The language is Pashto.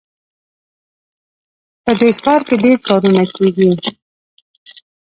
په دې ښار کې ډېر کارونه کیږي